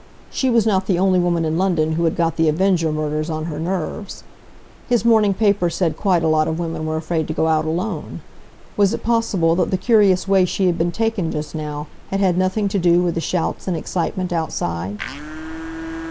She was not the only woman in London who had got the Avenger murders on her nerves. His morning paper said quite a lot of women were afraid to go out alone. Was it possible that the curious way she had been taken just now had had nothing to do with the shouts and excitement outside?